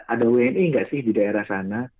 ada wni nggak sih di daerah sana